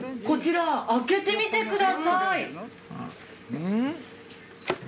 こちら開けてみてください！